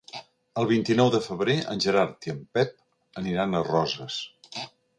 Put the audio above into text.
El vint-i-nou de febrer en Gerard i en Pep aniran a Roses.